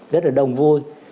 rất là đồng vui